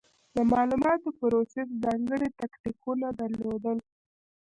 د مالوماتو پروسس ځانګړې تکتیکونه درلودل.